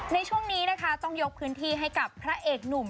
ในช่วงนี้นะคะต้องยกพื้นที่ให้กับพระเอกหนุ่ม